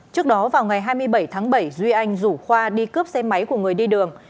trước đó vào ngày hai mươi bảy tháng bảy duy anh rủ khoa đi cướp xe máy của người đi đường